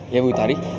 ya bu itari